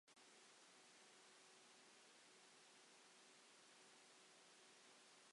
Mae wedi cael ei wneud yn ail stafell i ti.